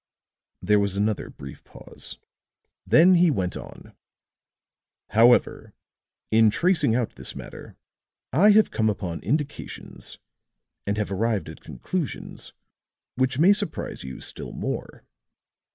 There was another brief pause; then he went on: "However, in tracing out this matter, I have come upon indications and have arrived at conclusions which may surprise you still more."